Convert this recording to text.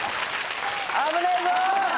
危ないぞ！